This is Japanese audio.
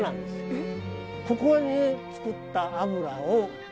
えっ？